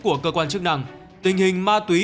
của cơ quan chức năng tình hình ma túy